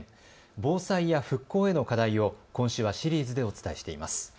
防災や復興への課題を今週はシリーズでお伝えしています。